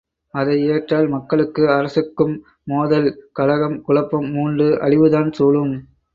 அதை ஏற்றால், மக்களுக்கும் அரசுக்கும் மோதல், கலகம், குழப்பம் மூண்டு அழிவுதான் சூழும்.